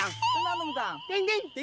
aku juga nggak tau